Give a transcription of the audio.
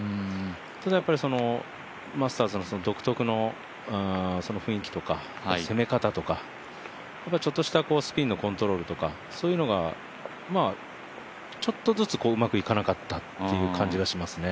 ただ、マスターズの独特の雰囲気とか攻め方とか、ちょっとしたスピンのコントロールとかそういうのがちょっとずつうまくいかなかったという感じがしますね。